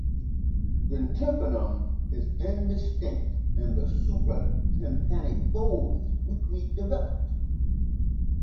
The tympanum is indistinct and the supratympanic fold is weakly developed.